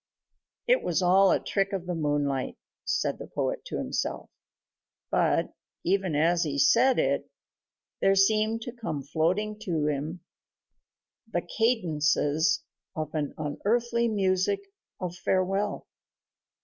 "It was all a trick of the moonlight," said the poet to himself, but, even as he said it, there seemed to come floating to him the cadences of an unearthly music of farewell.